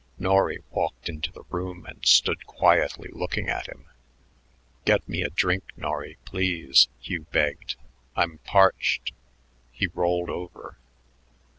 Norry walked into the room and stood quietly looking at him. "Get me a drink, Norry, please," Hugh begged. "I'm parched." He rolled over.